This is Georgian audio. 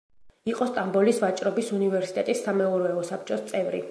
იყო სტამბოლის ვაჭრობის უნივერსიტეტის სამეურვეო საბჭოს წევრი.